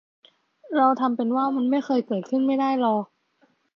เราทำเป็นว่ามันไม่เคยเกิดขึ้นไม่ได้หรอก